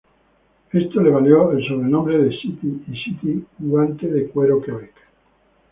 Esto le valió el sobrenombre de "City" y "City" guante de cuero Quebec.